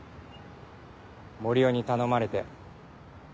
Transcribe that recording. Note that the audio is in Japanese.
森生に頼まれて。